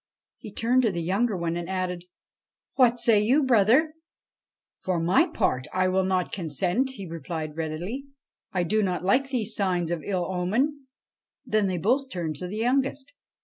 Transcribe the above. He turned to the younger one and added, ' What say you, brother ?'' For my part, I will not consent/ replied he readily. ' I like not these signs of ill omen.' Then they both turned to the youngest.